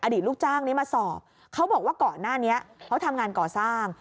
ลูกจ้างนี้มาสอบเขาบอกว่าก่อนหน้านี้เขาทำงานก่อสร้าง